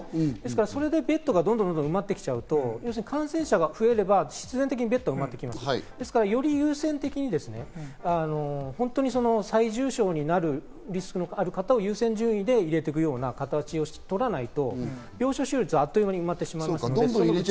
それでベッドがどんどん埋まってきちゃうと、感染者が増えれば必然的にベッドが埋まる。より優先的に最重症になるリスクのある方を優先順位で入れていくような形をとらないと、病床使用率はあっという間に埋まってしまいます。